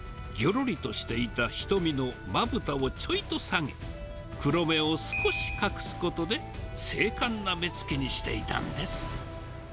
ぎょろりとしていた瞳のまぶたをちょいと下げて、黒目を少し隠すことで、精かんな目つきにしていたんです。